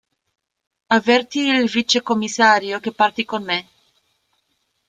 Avverti il vicecommissario che parti con me.